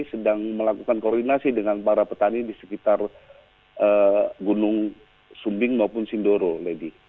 sedang melakukan koordinasi dengan para petani di sekitar gunung sumbing maupun sindoro lady